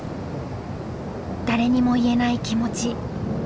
誰にも言えない気持ち。